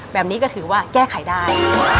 แบบนี้ก็ถือว่าแก้ไขได้